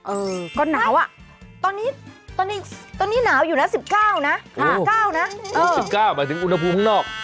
เออก็หนาวอ่ะตอนนี้ตอนนี้หนาวอยู่นะ๑๙นะ๑๙นะ๑๙หมายถึงอุณหภูมิข้างนอก